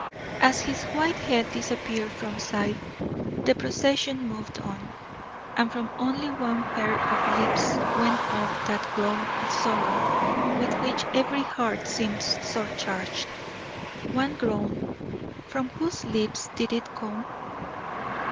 As his white head disappeared from sight, the procession moved on, and from only one pair of lips went up that groan of sorrow with which every heart seemed surcharged. One groan. From whose lips did it come?